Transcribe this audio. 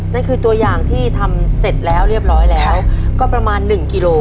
นั่นคือตัวอย่างที่ทำเสร็จแล้วเรียบร้อยแล้วก็ประมาณหนึ่งกิโล